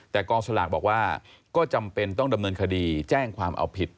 แต่กองสลากบอกว่าก็จำเป็นต้องดำเนินคดีแจ้งความเอาผิด